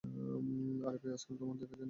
আরে ভাই, আজকাল তোমাকে দেখায় যায় না!